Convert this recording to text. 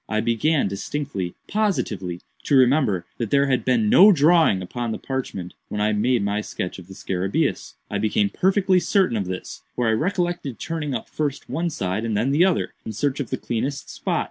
I began distinctly, positively, to remember that there had been no drawing upon the parchment when I made my sketch of the scarabæus. I became perfectly certain of this; for I recollected turning up first one side and then the other, in search of the cleanest spot.